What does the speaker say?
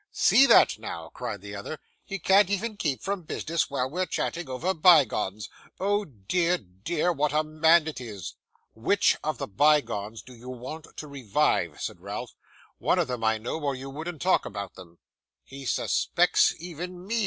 'See that now!' cried the other. 'He can't even keep from business while we're chatting over bygones. Oh dear, dear, what a man it is!' 'WHICH of the bygones do you want to revive?' said Ralph. 'One of them, I know, or you wouldn't talk about them.' 'He suspects even me!